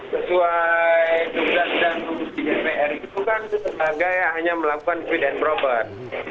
sesuai tugas dan komisi dpr itu kan tetangga yang hanya melakukan fit and proper